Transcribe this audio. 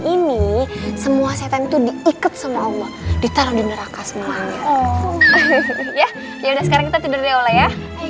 ini semua setan itu diikat sama allah ditaruh di neraka semangat ya udah sekarang kita tidur ya